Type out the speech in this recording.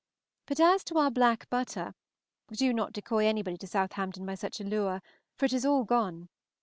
But as to our black butter, do not decoy anybody to Southampton by such a lure, for it is all gone.